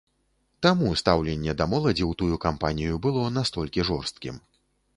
Таму стаўленне да моладзі ў тую кампанію было настолькі жорсткім.